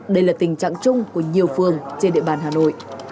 đây là tình trạng chung của nhiều phường trên địa bàn hà nội